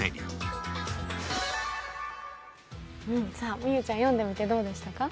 美羽ちゃん、読んでみてどうですか？